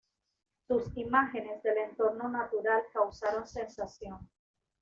Sus imágenes del entorno natural causaron sensación.